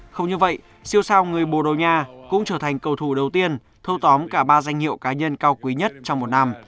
không như vậy siêu sao người bồ đầu nha cũng trở thành cầu thủ đầu tiên thâu tóm cả ba danh hiệu cá nhân cao quý nhất trong một năm